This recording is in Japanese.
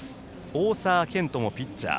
大沢健翔もピッチャー。